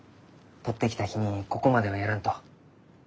採ってきた日にここまではやらんと。